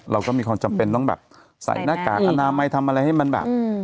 เราก็มีความจำเป็นต้องแบบใส่หน้ากากอนามัยทำอะไรให้มันแบบ